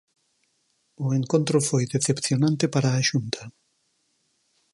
O encontro foi decepcionante para a Xunta.